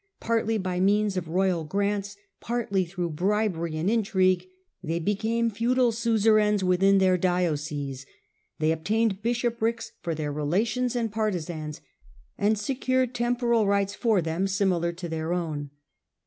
Partly by means of royal grants, partly through bribery and intrigue, they became feudal suzerains within their dioceses, they obtained bishop rics for their relations and partisans, and secured tem poral rights for them similar to their own.